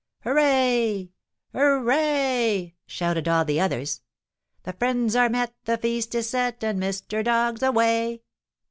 "Hurray! hurray!" shouted all the others. "The friends are met, the feast is set, and Mr. Dog's away!"